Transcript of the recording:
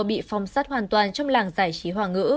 bị phong sát hoàn toàn trong làng giải trí hoàng ngữ